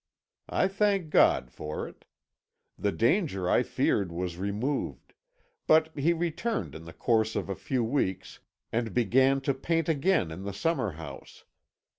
I thanked God for it. The danger I feared was removed; but he returned in the course of a few weeks, and began to paint again in the summer house.